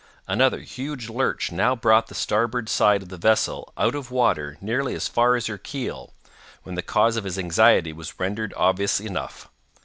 Another huge lurch now brought the starboard side of the vessel out of water nearly as far as her keel, when the cause of his anxiety was rendered obvious enough.